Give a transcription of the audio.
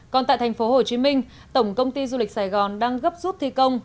còn tại thành phố hồ chí minh tổng công ty du lịch sài gòn đang gấp rút thi công